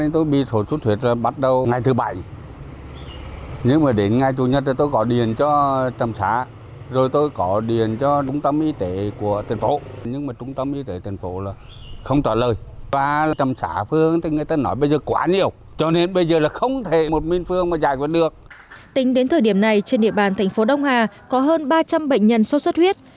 tính đến thời điểm này trên địa bàn tp đông hà có hơn ba trăm linh bệnh nhân xuất xuất huyết